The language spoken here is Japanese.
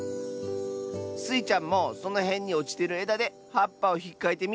スイちゃんもそのへんにおちてるえだではっぱをひっかいてみ。